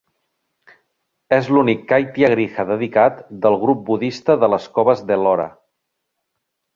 És l'únic chaitya griha dedicat del grup budista de les coves d'Ellora.